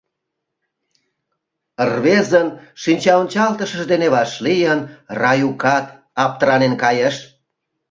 Рвезын шинчаончалтышыж дене вашлийын, Раюкат аптранен кайыш.